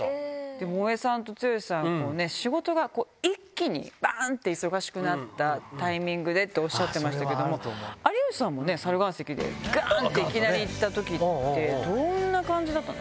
でも大江さんと剛さんも、仕事が、一気にばーんって忙しくなったタイミングでっておっしゃってましたけど、有吉さんもね、猿岩石でがーんっていきなりいったときって、どんな感じだったん